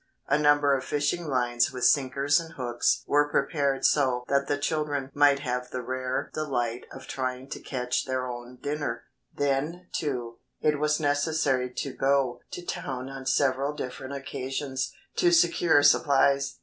A number of fishing lines with sinkers and hooks were prepared so that the children might have the rare delight of trying to catch their own dinner. Then, too, it was necessary to go to town on several different occasions to secure supplies.